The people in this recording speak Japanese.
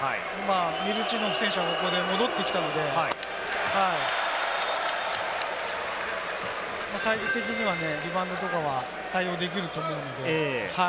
ミルチノフ選手はここで戻ってきたので、サイズ的にはね、今のところは対応できると思うので。